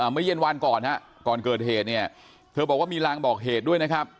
เมื่อเย็นวันก่อนฮะก่อนเกิดเหตุเนี่ยเธอบอกว่ามีรางบอกเหตุด้วยนะครับ